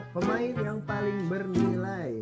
pemain yang paling bernilai